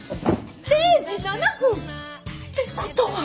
０時７分！？ってことは。